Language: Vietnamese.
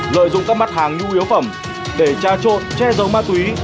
lợi dụng các mặt hàng nhu yếu phẩm để tra trộn che giấu ma túy